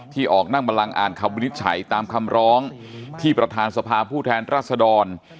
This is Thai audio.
ออกนั่งบันลังอ่านคำวินิจฉัยตามคำร้องที่ประธานสภาผู้แทนรัศดร